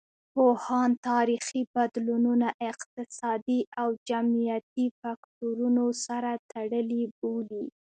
پوهان تاریخي بدلونونه اقتصادي او جمعیتي فکتورونو سره تړلي بولي.